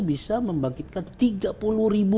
bisa membangkitkan tiga puluh ribu